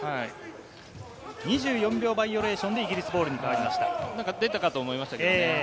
２４秒バイオレーションでイギリスボールに変わりました。